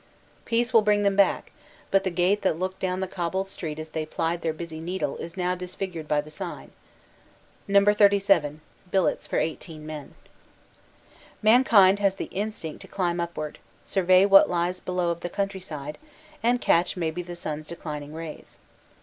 Peace will bring 118 CANADA S HUNDRED DAYS them back, but the gate that looked down the cobbled street as they plied their busy needle is now disfigured by the sign, "No. 37 billets for 18 men." Mankind has the instinct to climb upward, survey what lies below of the countryside, and catch maybe the sun s declin ing rays.